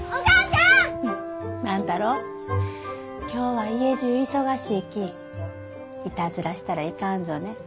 フッ万太郎今日は家じゅう忙しいき。いたずらしたらいかんぞね。